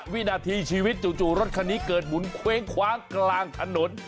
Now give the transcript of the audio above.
วินาทีชีวิตจู่รถคันนี้เกิดหมุนเว้งคว้างกลางถนน